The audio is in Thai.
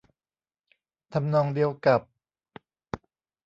ทำนองเดียวกับ